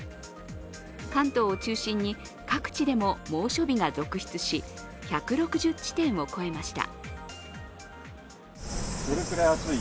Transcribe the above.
関東を中心に各地でも猛暑日が続出し、１６０地点を超えました。